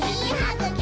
ぐき！